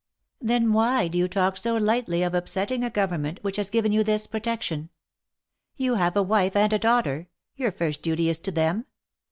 Then why do you talk so lightly of upsetting a Govern ment which has given you this protection? You have a wife and a daughter. Your first duty is to them.